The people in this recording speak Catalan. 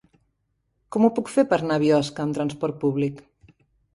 Com ho puc fer per anar a Biosca amb trasport públic?